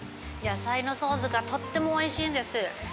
野菜のソースがとってもおいしいです。